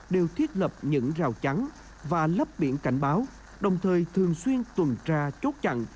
đều thiết lập những rào chắn và lắp biển cảnh báo đồng thời thường xuyên tuần tra chốt chặn